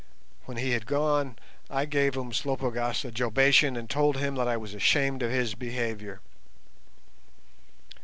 When he had gone I gave Umslopogaas a jobation and told him that I was ashamed of his behaviour.